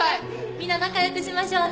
みんな仲良くしましょうね